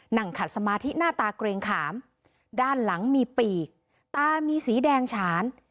นั่งขัดสมาธิหน้าตาเกรงขามด้านหลังมีปีกตามีสีแดงฉาน